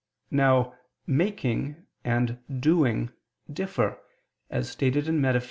Now "making" and "doing" differ, as stated in _Metaph.